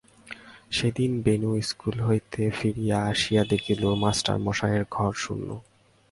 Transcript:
সেদিন বেণু ইস্কুল হইতে ফিরিয়া আসিয়া দেখিল, মাস্টারমশায়ের ঘর শূন্য।